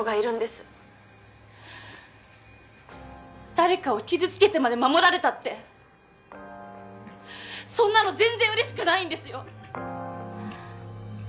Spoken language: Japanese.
誰かを傷つけてまで守られたってそんなの全然嬉しくないんですよ。